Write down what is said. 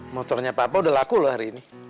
motornya papua udah laku loh hari ini